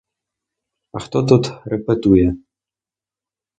А хто тут репетує?